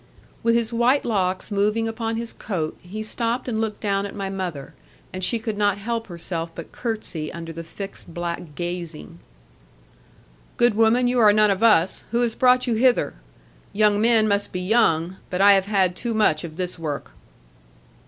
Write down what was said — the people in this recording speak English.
With his white locks moving upon his coat, he stopped and looked down at my mother, and she could not help herself but curtsey under the fixed black gazing. 'Good woman, you are none of us. Who has brought you hither? Young men must be young but I have had too much of this work.'